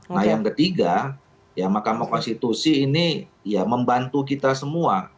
nah yang ketiga ya mahkamah konstitusi ini ya membantu kita semua